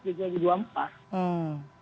itu sudah berubah menjadi keempat